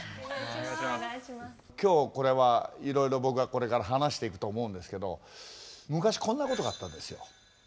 今日これはいろいろ僕がこれから話していくと思うんですけど昔こんなことがあったんですよ。